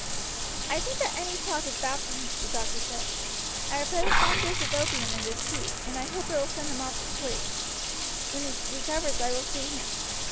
"I think that any talk is bad for him," the doctor said. "I have put a strong dose of opium in this tea, and I hope it will send him off to sleep. When he recovers I will see him."